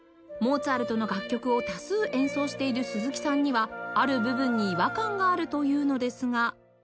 モーツァルトの楽曲を多数演奏している鈴木さんにはある部分に違和感があるというのですが